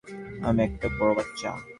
আমি একটা বড় বাচ্চা।